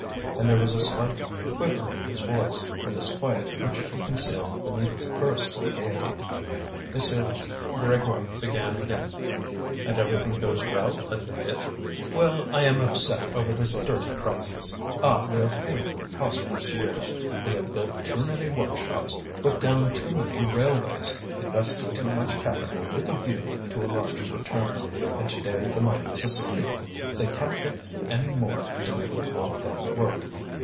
And there was a slight quiver in his voice, a disquiet which he concealed beneath bursts of gaiety. M. Grégoire began again: "And everything goes well at the pit?" "Well, I am upset over this dirty crisis. Ah! we are paying for the prosperous years! They have built too many workshops, put down too many railways, invested too much capital with a view to a large return, and today the money is asleep. They can't get any more to make the whole thing work.